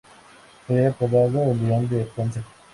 Fue apodado "El león de Ponce".